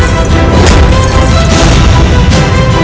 ibu nda tampak bahagia sekali